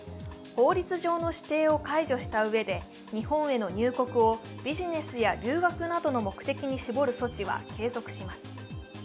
法律上の指定を解除したうえで日本への入国をビジネスや留学などの目的に絞る措置は継続します。